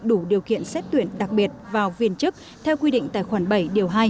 đủ điều kiện xét tuyển đặc biệt vào viên chức theo quy định tài khoản bảy điều hai